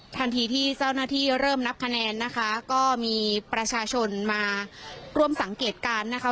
ทันทีที่เจ้าหน้าที่เริ่มนับคะแนนนะคะก็มีประชาชนมาร่วมสังเกตการณ์นะคะ